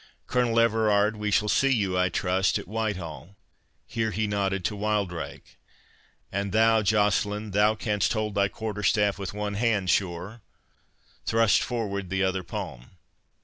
—Colonel Everard, we shall see you, I trust, at Whitehall?" Here he nodded to Wildrake. "And thou, Joceline, thou canst hold thy quarter staff with one hand, sure?—Thrust forward the other palm."